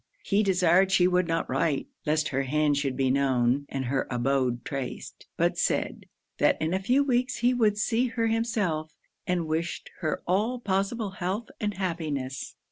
He desired she would not write; lest her hand should be known, and her abode traced; but said, that in a few weeks he would see her himself, and wished her all possible health and happiness.